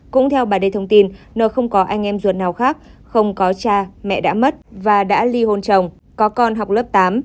cũng theo bà t t d thông tin n không có anh em ruột nào khác không có cha mẹ đã mất và đã ly hôn chồng có con học lớp tám